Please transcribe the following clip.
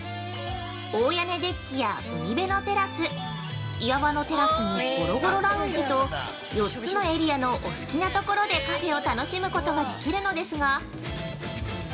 大屋根デッキや海辺のテラス、岩場のテラスにごろごろラウンジと４つのエリアのお好きな所でカフェを楽しむことができるのですが。